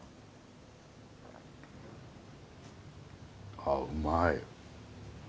あうまい。